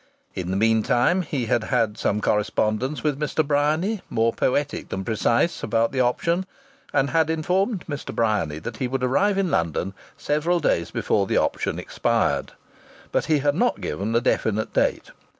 In the meantime he had had some correspondence with Mr. Bryany, more poetic than precise, about the option, and had informed Mr. Bryany that he would arrive in London several days before the option expired. But he had not given a definite date.